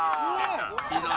ひどい。